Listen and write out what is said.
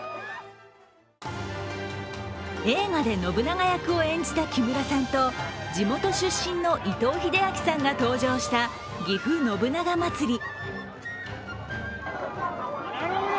映画で信長役を演じた木村さんと、地元出身の伊藤英明さんが登場した、ぎふ信長まつり。